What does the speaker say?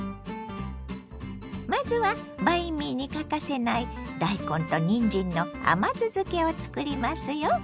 まずはバインミーに欠かせない大根とにんじんの甘酢漬けをつくりますよ。